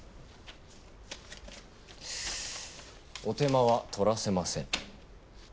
お手間は取らせません。